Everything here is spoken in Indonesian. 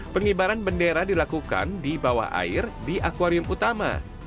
pengibaran bendera dilakukan di bawah air di akwarium utama